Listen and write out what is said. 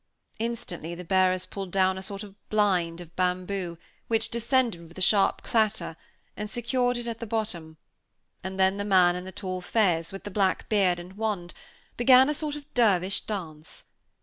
Instantly the bearers pulled down a sort of blind of bamboo, which descended with a sharp clatter, and secured it at the bottom; and then the man in the tall fez, with the black beard and wand, began a sort of dervish dance.